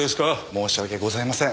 申し訳ございません。